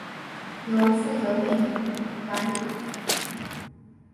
由负责运营管理。